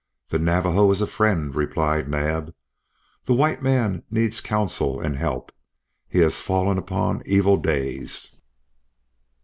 "The Navajo is a friend," replied Naab. "The white man needs counsel and help. He has fallen upon evil days."